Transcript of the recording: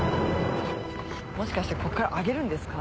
もしかしてこっから揚げるんですか？